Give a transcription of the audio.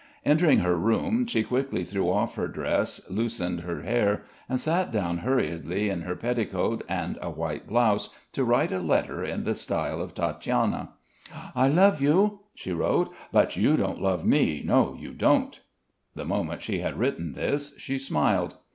Entering her room, she quickly threw off her dress, loosened her hair, and sat down hurriedly in her petticoat and a white blouse to write a letter in the style of Tatiana. "I love you," she wrote "but you don't love me; no, you don't!" The moment she had written this, she smiled.